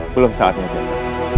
belum saatnya jaka